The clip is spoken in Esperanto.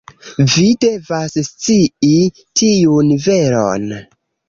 Vi devas scii tiun veron.